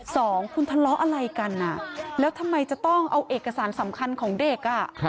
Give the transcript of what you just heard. สองคุณทะเลาะอะไรกันแล้วทำไมจะต้องเอาเอกสารสำคัญของเด็กอ่ะ